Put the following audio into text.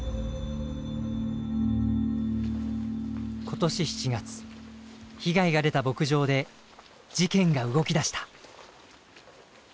今年７月被害が出た牧場で事件が動き出した。